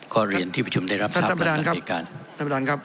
ข้อเรียนที่ประชุมได้รับทราบต่างจากการ